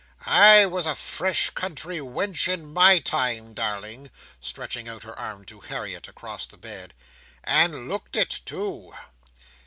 I was a fresh country wench in my time, darling," stretching out her arm to Harriet, across the bed, "and looked it, too.